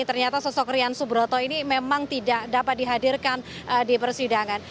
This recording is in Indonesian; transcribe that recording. ternyata sosok rian subroto ini memang tidak dapat dihadirkan di persidangan